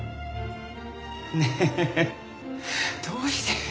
ねえどうして？